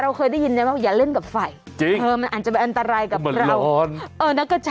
แหละจริง